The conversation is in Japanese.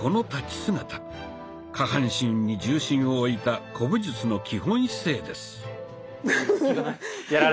下半身に重心をおいた古武術の基本姿勢です。